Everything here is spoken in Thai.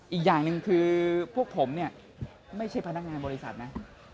อีกอย่างหนึ่งคือพวกผมเนี่ยไม่ใช่พนักงานบริษัทนะ